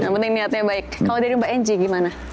nah mending niatnya baik kalau dari mbak yancy gimana